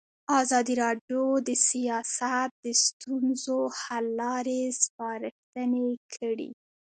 ازادي راډیو د سیاست د ستونزو حل لارې سپارښتنې کړي.